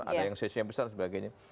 ada yang seisi yang besar dan sebagainya